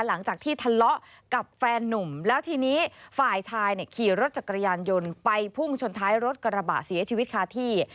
หลังจากที่ทะเลาะกับแฟนนุ่มแล้วทีนี้ฝ่ายชายเนี่ยขี่รถจักรยานยนต์ไปพุ่งชนท้ายรถกระบะเสียชีวิตคาที่